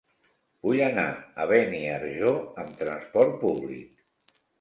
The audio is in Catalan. Vull anar a Beniarjó amb transport públic.